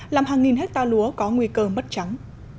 làm hàng nghìn hectare lúa có nguy cơ mất trắng